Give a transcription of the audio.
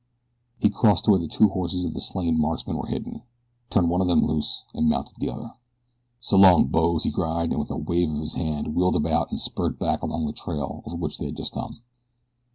He crossed to where the two horses of the slain marksmen were hidden, turned one of them loose and mounted the other. "So long, boes!" he cried, and with a wave of his hand wheeled about and spurred back along the trail over which they had just come.